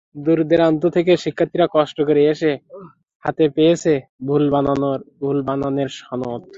দূরদূরান্ত থেকে শিক্ষার্থীরা কষ্ট করে এসে হাতে পেয়েছে ভুল বানানের সনদ।